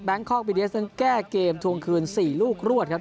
แบงค์คอร์กบีทีเอสนั้นแก้เกมทวงคืนสี่ลูกรวดครับ